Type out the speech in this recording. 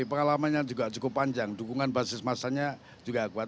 pengalamannya juga cukup panjang dukungan basis masanya juga kuat